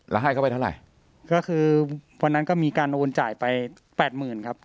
แล้วให้เขาไปเท่าไหร่ก็คือวันนั้นก็มีการโอนจ่ายไปแปดหมื่นครับ